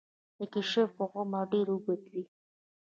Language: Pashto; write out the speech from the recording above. د کیشپ عمر ډیر اوږد وي